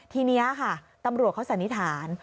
ทีนี้ค่ะตำรวจเขาสันนิษฐาน